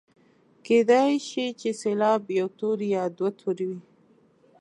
کیدلای شي چې سېلاب یو توری یا دوه توري وي.